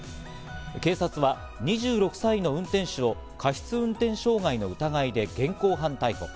警察は２６歳の運転手を過失運転傷害の疑いで現行犯逮捕。